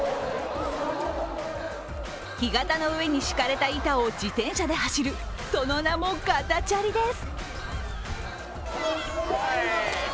干潟の上に敷かれた板を自転車で走るその名も、ガタチャリです。